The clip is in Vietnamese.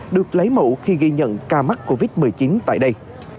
được lấy mẫu khi ghi nhận ca mắc covid một mươi chín tại đây